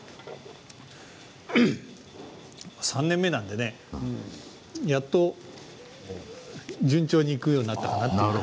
うん、３年目なのでねやっと順調にいくようになったかなと。